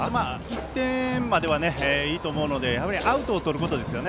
１点まではいいと思うのでアウトをとることですね。